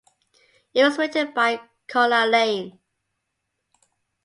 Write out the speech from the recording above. It was written by Carla Lane.